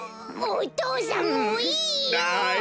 お父さんもういいよ！